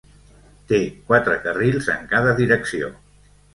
Té quatre carrils en cada direcció.